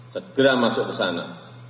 segera masuk ke sana